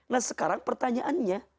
nah sekarang pertanyaannya